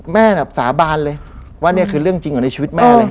แม่แบบสาบานเลยว่านี่คือเรื่องจริงของในชีวิตแม่เลย